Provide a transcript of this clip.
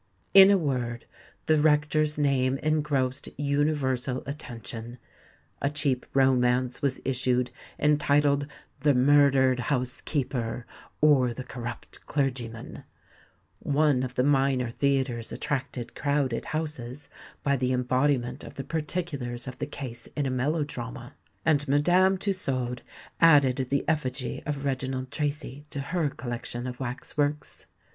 In a word, the rector's name engrossed universal attention:—a cheap romance was issued, entitled "The Murdered Housekeeper; or the Corrupt Clergyman;"—one of the minor theatres attracted crowded houses by the embodiment of the particulars of the case in a melodrama;—and Madame Tussaud added the effigy of Reginald Tracy to her collection of wax works.